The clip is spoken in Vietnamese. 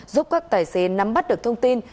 giúp các tài xế nắm bắt được thông tin